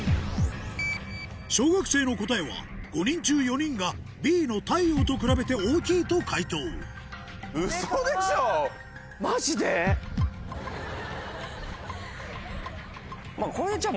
小学生の答えは５人中４人がＢの「太陽と比べて大きい」と解答これじゃあ。